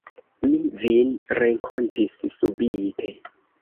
Mi vin renkontis subite.